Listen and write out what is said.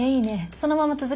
そのまま続けて。